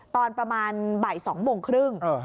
ตอนประมาณบ่าย๒โมงครึ่ง